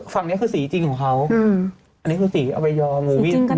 ฟังนี้คือสีจริงของเขาอันนี้คือสีเอาไปยอม